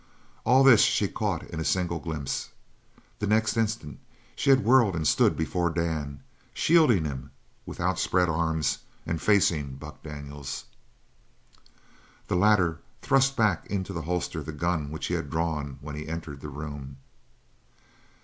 All this she caught in a single glimpse. The next instant she had whirled and stood before Dan, shielding him with outspread arms and facing Buck Daniels. The latter thrust back into the holster the gun which he had drawn when he entered the room.